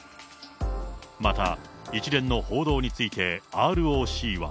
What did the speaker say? また一連の報道について、ＲＯＣは。